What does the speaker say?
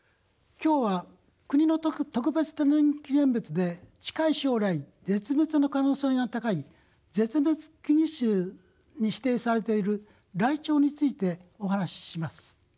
今日は国の特別天然記念物で近い将来絶滅の可能性が高い絶滅危惧種に指定されているライチョウについてお話しします。